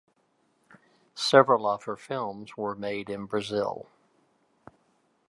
Several of her films were made in Brazil.